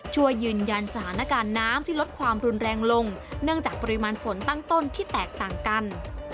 ช่วยยืนยันสถานการณ์น้ำที่ลดความรุนแรงลงเนื่องจากปริมาณฝนตั้งต้นที่แตกต่างกัน